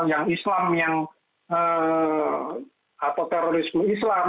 yang islam yang atau terorisme islam